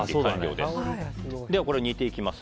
では、これを煮ていきます。